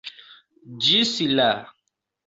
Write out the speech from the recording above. Ĝis la!